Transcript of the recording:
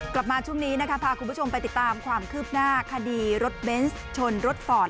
กลับมาช่วงนี้นะคะพาคุณผู้ชมไปติดตามความคืบหน้าคดีรถเบนส์ชนรถฟอร์ด